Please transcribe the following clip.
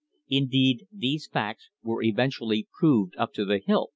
Indeed, these facts were eventually proved up to the hilt.